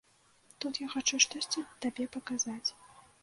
Тут я хачу штосьці табе паказаць.